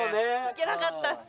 いけなかったっす。